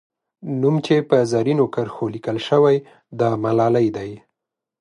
نوم چې په زرینو کرښو لیکل سوی، د ملالۍ دی.